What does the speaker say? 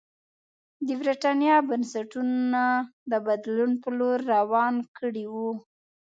د برېټانیا بنسټونه د بدلون په لور روان کړي وو.